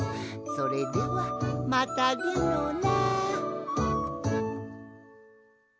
それではまたでのな。